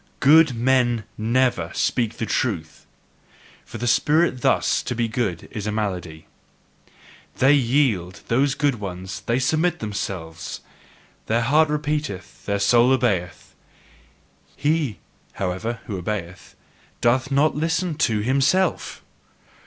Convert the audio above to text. GOOD MEN NEVER SPEAK THE TRUTH. For the spirit, thus to be good, is a malady. They yield, those good ones, they submit themselves; their heart repeateth, their soul obeyeth: HE, however, who obeyeth, DOTH NOT LISTEN TO HIMSELF!